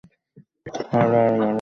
সাহারা আর মরু গোলাপ কনের তোড়ার জন্য।